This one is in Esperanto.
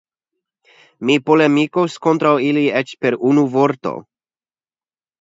Mi polemikos kontraŭ ili eĉ per unu vorto.